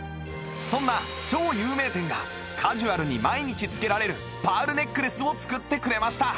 そんな超有名店がカジュアルに毎日着けられるパールネックレスを作ってくれました